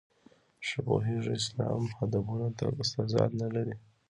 ښه پوهېږو اسلام هدفونو تضاد نه لري.